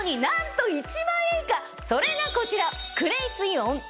それがこちら。